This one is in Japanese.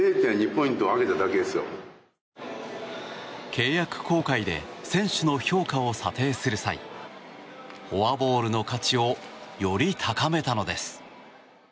契約更改で選手の評価を査定する際フォアボールの価値をより高めたのです。